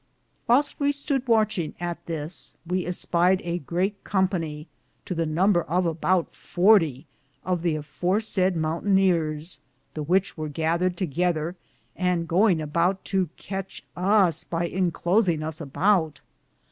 Whylste we stood wondringe at this, we espied a great companye, to the number of aboute 40, of the afore sayde mountayneares, the which weare gathered together, and goinge aboute to catche us by inclosinge us aboute.